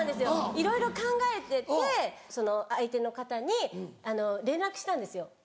いろいろ考えてて相手の方に連絡したんですよ。